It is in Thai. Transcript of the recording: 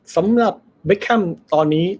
สำหรับเบคแคมป์ตอนนี้